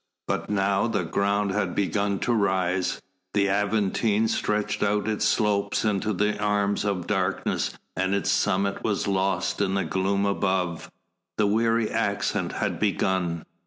But now the ground had begun to rise, the Aventine stretched out its slopes into the arms of darkness and its summit was lost in the gloom above. The weary ascent had begun.